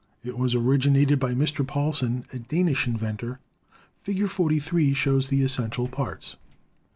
It was originated by Mr. Poulsen, a Danish inventor. Fig. 43 shows the essential parts.